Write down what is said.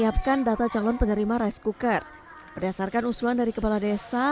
lebih dari seratus orang yang menerima rice cooker berdasarkan usulan dari kepala desa